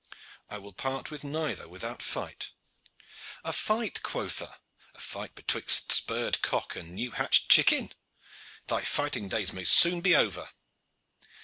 "I will part with neither without fight." "A fight, quotha? A fight betwixt spurred cock and new hatched chicken! Thy fighting days may soon be over."